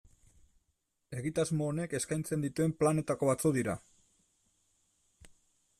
Egitasmo honek eskaintzen dituen planetako batzuk dira.